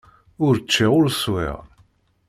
Ur cččiɣ, ur swiɣ.